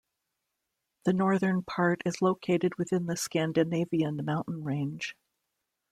The northern part is located within the Scandinavian mountain range.